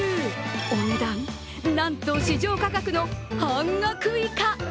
お値段、なんと市場価格の半額以下。